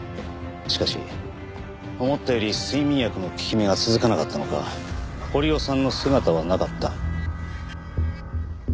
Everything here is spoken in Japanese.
しかし思ったより睡眠薬の効き目が続かなかったのか堀尾さんの姿はなかった。